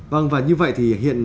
và như vậy thì hiện